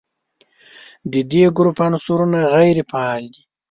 د دې ګروپ عنصرونه غیر فعال دي.